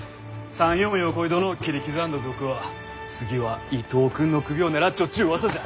参与ん横井殿を切り刻んだ賊は次は伊藤君の首を狙っちょっちゅううわさじゃ。